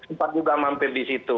sempat juga mampir di situ